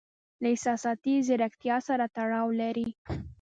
له احساساتي زیرکتیا سره تړاو لري.